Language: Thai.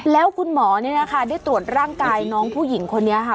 แล้วคุณหมอนี่นะคะได้ตรวจร่างกายน้องผู้หญิงคนนี้ค่ะ